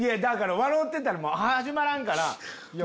だから笑うてたら始まらんから。